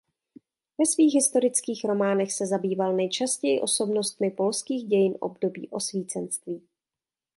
Ve svých historických románech se zabýval nejčastěji osobnostmi polských dějin období osvícenství.